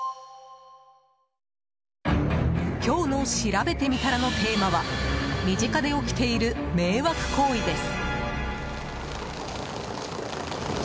今日のしらべてみたらのテーマは身近で起きている迷惑行為です。